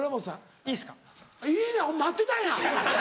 いい待ってたんや！